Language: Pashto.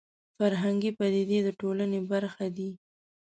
فرهنګي پدیدې د ټولنې برخه دي